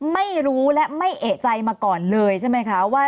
ไม่รู้และไม่เอกใจมาก่อนเลยใช่ไหมคะว่า